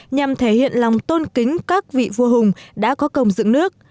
nhằm thể hiện lòng tôn kính các vị vua hùng đã có công dựng nước